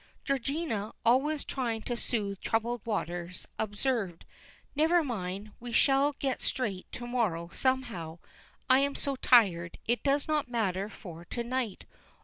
Georgina, always trying to soothe troubled waters, observed, "Never mind; we shall get straight to morrow somehow. I'm so tired; it does not matter for to night.